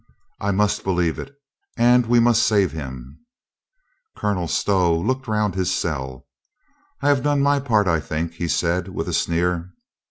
"I must believe it. And we must save him." Colonel Stow looked round his cell. "I have done my part, I think," he said with a sneer.